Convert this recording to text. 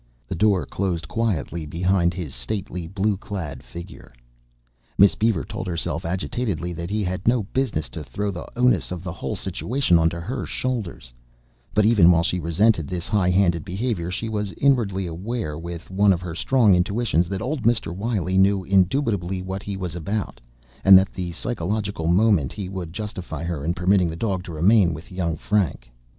The door closed quietly behind his stately blue clad figure. Miss Beaver told herself agitatedly that he had no business to throw the onus of the whole situation onto her shoulders; but even while she resented this high handed behavior she was inwardly aware with one of her strong intuitions that old Mr. Wiley knew indubitably what he was about, and that at the psychological moment he would justify her in permitting the dog to remain with young Frank.